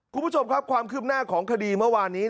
คุณผู้ชมครับความคืบหน้าของคดีเมื่อวานนี้